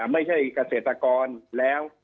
ไม่ใช่เกษตรกรแล้ว